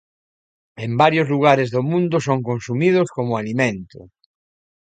En varios lugares do mundo son consumidos como alimento.